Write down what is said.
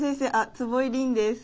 坪井凜です。